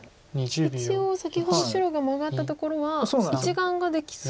一応先ほど白がマガったところは１眼ができそうですよね。